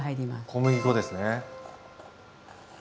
小麦粉ですね。